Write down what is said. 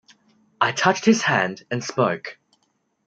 I touched his hand, and spoke.